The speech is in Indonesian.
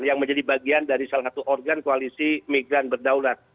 yang menjadi bagian dari salah satu organ koalisi migran berdaulat